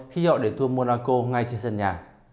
khi họ để thua monaco ngay trên sân nhà